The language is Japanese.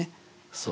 そう。